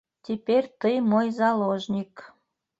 Теперь ты - мой заложник.